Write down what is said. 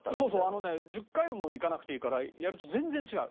あのね１０回も行かなくていいからやると全然違う。